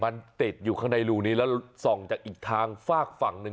มันติดอยู่ข้างในรูนี้แล้วส่องจากอีกทางฝากฝั่งหนึ่ง